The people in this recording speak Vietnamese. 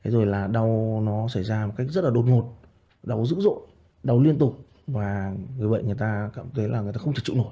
đau nó xảy ra một cách rất đột ngột đau dữ dội đau liên tục người bệnh người ta cảm thấy không thể chịu nổi